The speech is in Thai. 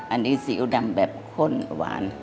อันนี้ซีอิ๊วดำแบบข้นหวาน